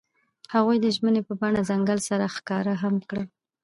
هغوی د ژمنې په بڼه ځنګل سره ښکاره هم کړه.